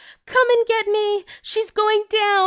"Come and get me! She's going down!